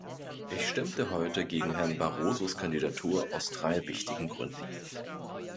Ich stimmte heute gegen Herrn Barrosos Kandidatur aus drei wichtigen Gründen.